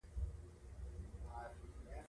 ځکه چې ځاى ځاى پکښې ګچ او اومې خښتې ښکارېدلې.